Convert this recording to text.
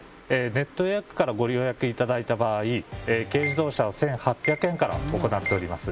ネット予約からご予約いただいた場合軽自動車を１８００円から行っております